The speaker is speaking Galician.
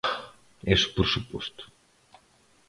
Iso por suposto.